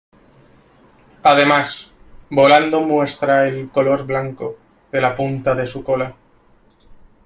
Además, volando muestra el color blanco de la punta de su cola.